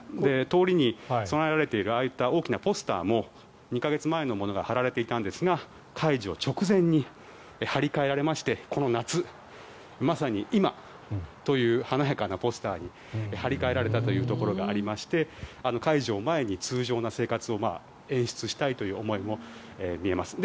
通りに備えられているああいった大きなポスターも２か月前のものが貼られていたんですが解除直前に貼り替えられましてこの夏、まさに今という華やかなポスターに貼り替えられたというところがありまして解除を前に通常の生活を演出したいという思いも見えます。